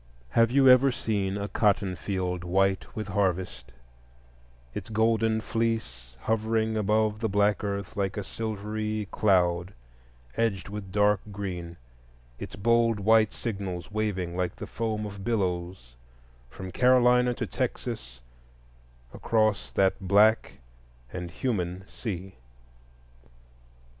Have you ever seen a cotton field white with harvest,—its golden fleece hovering above the black earth like a silvery cloud edged with dark green, its bold white signals waving like the foam of billows from Carolina to Texas across that Black and human Sea?